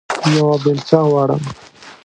یوه بیلچه غواړم